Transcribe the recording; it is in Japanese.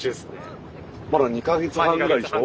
まだ２か月半くらいでしょ？